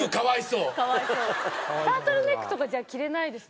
タートルネックとかじゃあ着れないですね。